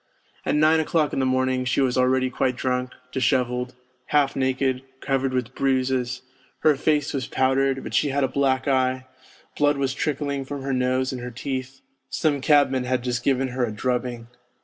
At nine o'clock in the morning she was already quite drunk, dishevelled, half naked, covered with bruises, her face was powdered, but she had a black eye, blood was trickling from her nose and her teeth; some cabman had just given her a drubbing.